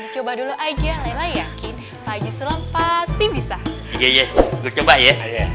coba dulu aja lela yakin pagi selam pasti bisa iye gue coba ya